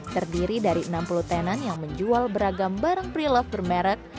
terdiri dari enam puluh tenan yang menjual beragam barang pre love bermerek